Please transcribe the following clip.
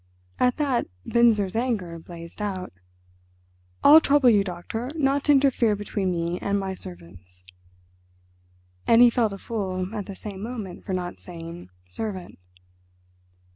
At that Binzer's anger blazed out. "I'll trouble you, Doctor, not to interfere between me and my servants!" And he felt a fool at the same moment for not saying "servant."